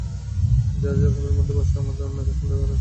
যার যার খোপের মধ্যে বসে আমরা একে অন্যকে সন্দেহ করা শুরু করেছি।